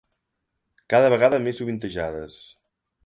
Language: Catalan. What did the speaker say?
Cada vegada més sovintejades.